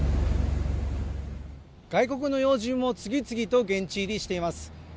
外国の要人も次々と現地入りしています